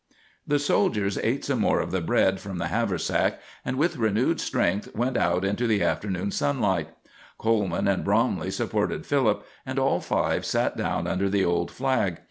The soldiers ate some more of the bread from the haversack, and with renewed strength went out into the afternoon sunlight, Coleman and Bromley supporting Philip, and all five sat down under the old flag.